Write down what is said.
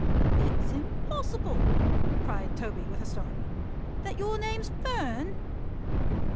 "It's impossible," cried Toby with a start, "that your name's Fern!"